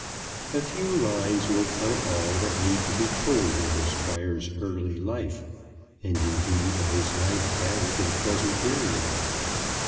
A few lines will tell all that need be told of the Squire's early life, and indeed of his life down to the present period.